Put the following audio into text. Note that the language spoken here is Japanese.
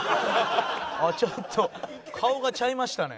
あっちょっと顔がちゃいましたね。